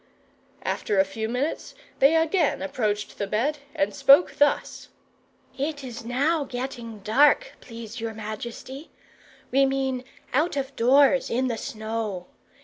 After a few minutes they again approached the bed, and spoke thus: "It is now getting dark, please your majesty. We mean, out of doors in the snow.